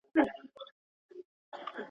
په تګ کې د زړه درزا نه خرابېږي.